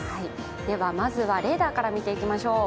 では、まずはレーダーから見ていきましょう。